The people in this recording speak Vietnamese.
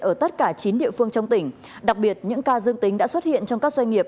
ở tất cả chín địa phương trong tỉnh đặc biệt những ca dương tính đã xuất hiện trong các doanh nghiệp